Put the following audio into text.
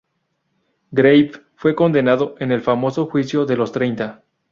Grave fue condenado en el famoso "juicio de los treinta".